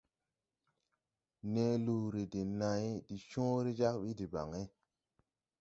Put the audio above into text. Ne luuri de nãy de cõõre jag ɓi debaŋ.